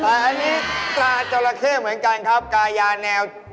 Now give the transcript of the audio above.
อันนี้ตาจราเข้เหมือนกันครับกายาแนว